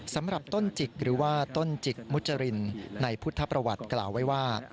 สำหรับต้นจิกหรือว่าต้นจิกมุจรินในพุทธประวัติกล่าวไว้ว่า